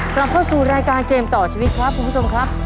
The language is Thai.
กลับเข้าสู่รายการเกมต่อชีวิตครับคุณผู้ชมครับ